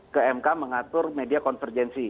ke mk mengatur media konvergensi